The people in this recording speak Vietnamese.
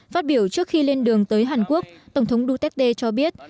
phát biểu trước khi lên đường tới hàn quốc tổng thống duterte cho biết